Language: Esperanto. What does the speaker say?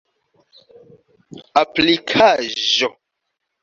aplikaĵo